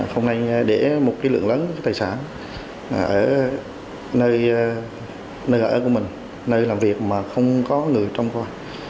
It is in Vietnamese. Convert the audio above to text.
không nên để một lượng lớn tài sản ở nơi ở của mình nơi làm việc mà không có người trông coi